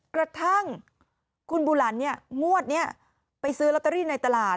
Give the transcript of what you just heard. กระทั่งคุณบุหลันเนี่ยงวดนี้ไปซื้อลอตเตอรี่ในตลาด